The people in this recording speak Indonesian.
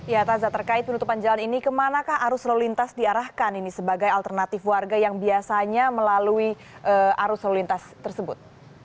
ya taza terkait penutupan jalan ini ke manakah arus solulitas diarahkan ini sebagai alternatif warga yang biasanya melalui arus solulitas tersebut